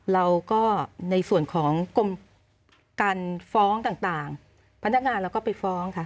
เราก็ในส่วนของกรมการฟ้องต่างพนักงานเราก็ไปฟ้องค่ะ